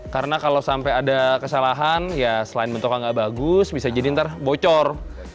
karena kalau sampai ada kesalahan ya selain bentuknya nggak bagus bisa jadi ntar bocor